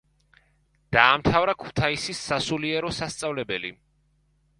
დაამთავრა ქუთაისის სასულიერო სასწავლებელი.